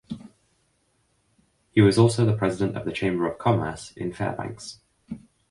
He was also the president of the Chamber of Commerce in Fairbanks.